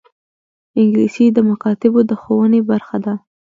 انګلیسي د مکاتبو د ښوونې برخه ده